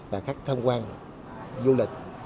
và khách tham quan du lịch